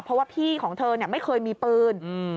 เพราะว่าพี่ของเธอไม่เคยมีปืน